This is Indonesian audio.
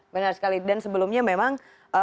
benar sekali dan sebelumnya memang